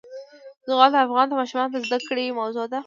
زغال د افغان ماشومانو د زده کړې موضوع ده.